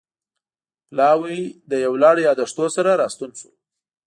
پلاوی له یو لړ یادښتونو سره راستون شو